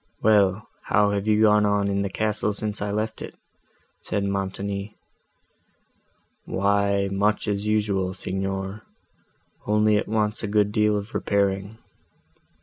"Well, how have you gone on in the castle, since I left it?" said Montoni. "Why much as usual, Signor, only it wants a good deal of repairing.